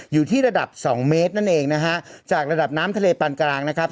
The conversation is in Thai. อยู่ที่ระดับสองเมตรนั่นเองนะฮะจากระดับน้ำทะเลปานกลางนะครับ